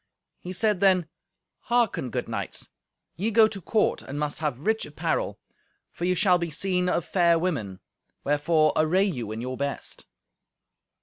He said then, "Hearken, good knights; ye go to court, and must have rich apparel, for ye shall be seen of fair women. Wherefore array you in your best."